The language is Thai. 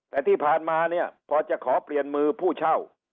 แต่ที่ผ่านมาเนี่ยพอจะขอเปลี่ยนมือผู้เช่า